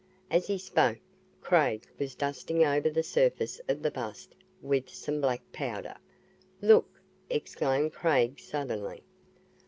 As he spoke, Craig was dusting over the surface of the bust with some black powder. "Look!" exclaimed Craig suddenly.